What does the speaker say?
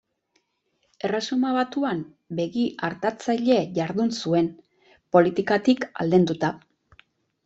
Erresuma Batuan begi-artatzaile jardun zuen, politikatik aldenduta.